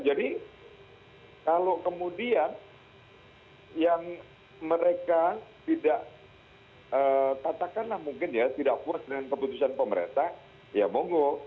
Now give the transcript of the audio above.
jadi kalau kemudian yang mereka tidak katakanlah mungkin ya tidak puas dengan keputusan pemerintah ya monggo